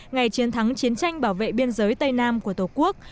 ngày chiến thắng chiến tranh bảo vệ biên giới tây nam của tổ quốc